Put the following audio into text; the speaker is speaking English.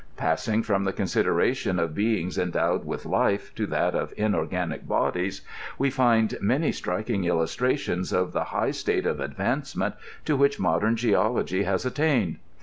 Passing from the consideration of beings endowed with life to that of inorganic bodies, we find tnany striking illustrations of the high state of advancement to which modem geology has attained.